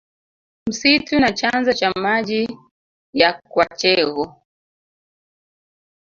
Msitu na chanzo cha maji ya kwachegho